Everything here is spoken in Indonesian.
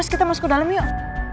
kita masuk ke dalam yuk